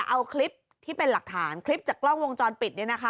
เอาคลิปจากกล้องวงจรปิด